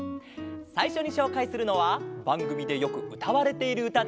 さいしょにしょうかいするのはばんぐみでよくうたわれているうたです。